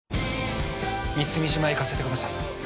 「美澄島へ行かせてください」